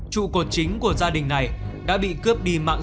trụ cột chính của gia đình này đã bị cướp đi mạng